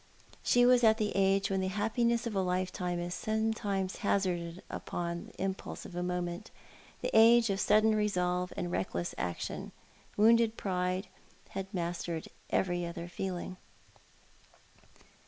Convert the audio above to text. She was at the age when the happiness of a lifetime is sometimes hazarded upon the impulse of a moment — the age of sudden resolve and reckless action. Wounded pride had mastered every other feeling.